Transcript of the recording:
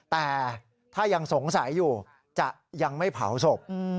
แต่ถ้ายังสงสัยอยู่จะยังไม่เผาศพ